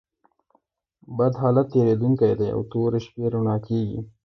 بد حالت تېرېدونکى دئ او توري شپې رؤڼا کېږي.